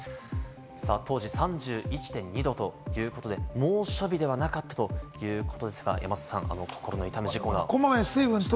当時３１．２度ということで、猛暑日ではなかったということですが、山里さん。